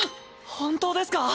本当ですか？